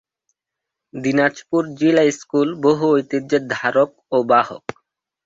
Dinajpur Zilla school বহু ঐতিহ্যের ধারক ও বাহক।